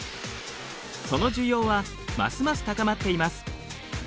その需要はますます高まっています。